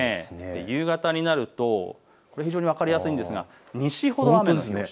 夕方になると非常に分かりやすいんですが西ほど雨です。